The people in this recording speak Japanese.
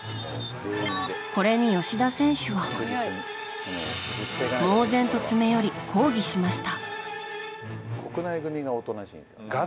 これに吉田選手が猛然と詰め寄り抗議しました。